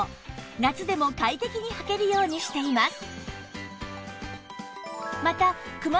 夏でも快適にはけるようにしています